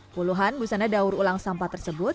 puluhan busana daur ulang sampah tersebut